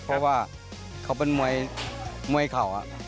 เพราะว่าเขาเป็นมวยเข่า